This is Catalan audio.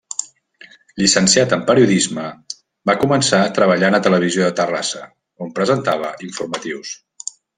Llicenciat en Periodisme, va començar treballant a Televisió de Terrassa, on presentava informatius.